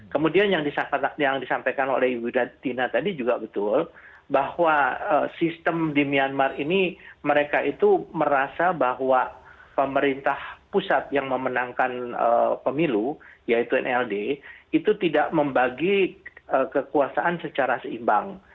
kemudian yang disampaikan oleh ibu tina tadi juga betul bahwa sistem di myanmar ini mereka itu merasa bahwa pemerintah pusat yang memenangkan pemilu yaitu nld itu tidak membagi kekuasaan secara seimbang